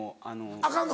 アカンの？